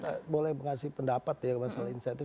kalau kita boleh mengasih pendapat ya masalah insentif